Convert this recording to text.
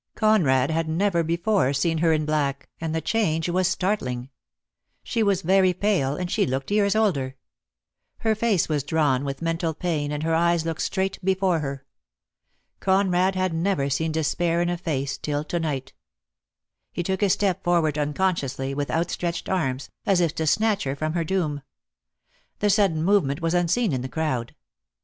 Conrad had never before seen her in black, and the change was startling. She was very pale, and she looked years older. Her face was drawn with mental pain and her eyes looked straight before her. Conrad had never seen despair in a face till to night. He took a step forward unconsciously, with outstretched arms, as if to snatch her from her doom. The sudden move ment was unseen in the crowd.